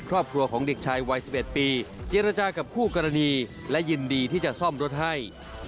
รู้กรณีและยินดีที่จะซ่อมรถให้